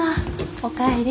お帰り。